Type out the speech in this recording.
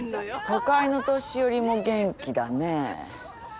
都会の年寄りも元気だねぇ。